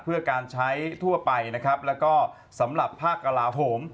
เพื่อการใช้ทั่วไปนะครับแล้วก็สำหรับภาคกระลาโหม